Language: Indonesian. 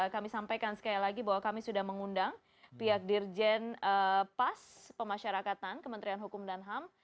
kami sampaikan sekali lagi bahwa kami sudah mengundang pihak dirjen pas pemasyarakatan kementerian hukum dan ham